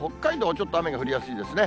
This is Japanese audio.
ちょっと雨が降りやすいですね。